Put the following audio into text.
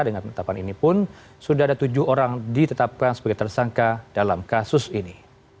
dengan penetapan ini pun sudah ada tujuh orang ditetapkan sebagai tersangka dalam kasus ini